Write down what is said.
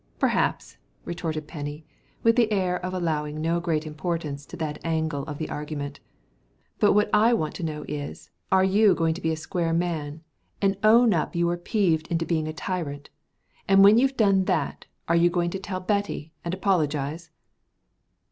"Perhaps," retorted Penny, with the air of allowing no great importance to that angle of the argument, "but what I want to know is, are you going to be a square man, and own up you were peeved into being a tyrant? And when you've done that, are you going to tell Betty, and apologize?"